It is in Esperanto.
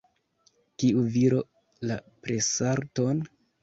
Kiu viro la presarton?